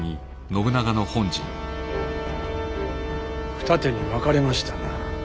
二手に分かれましたな。